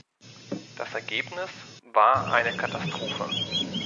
Das Ergebnis war eine Katastrophe.